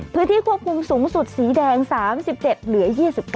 พื้นที่ควบคุมสูงสุดสีแดง๓๗เหลือ๒๙